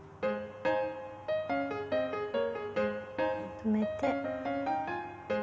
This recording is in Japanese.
止めて。